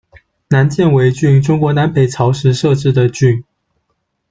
南犍为郡，中国南北朝时设置的郡。